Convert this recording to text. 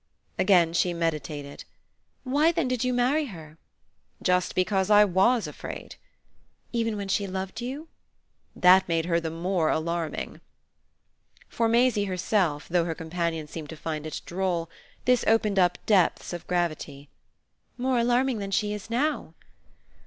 Again she meditated. "Why then did you marry her?" "Just because I WAS afraid." "Even when she loved you?" "That made her the more alarming." For Maisie herself, though her companion seemed to find it droll, this opened up depths of gravity. "More alarming than she is now?"